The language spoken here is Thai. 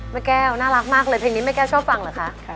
แม่แก้วน่ารักมากเลยเพลงนี้แม่แก้วชอบฟังเหรอคะ